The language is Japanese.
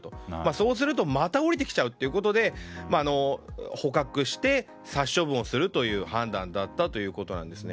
そうするとまた下りてきちゃうということで捕獲して殺処分をするという判断だったということです。